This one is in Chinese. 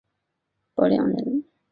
傅亮人。